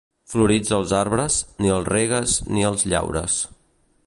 Florits els arbres, ni els regues ni els llaures.